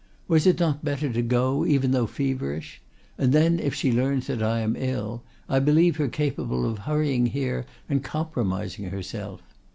Was it not better to go, even though feverish? And, then, if she learns that I am ill, I believe her capable of hurrying here and compromising herself.